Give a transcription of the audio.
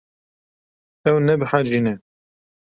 Ew nebehecî ne.